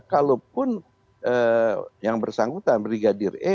kalaupun yang bersangkutan brigadir e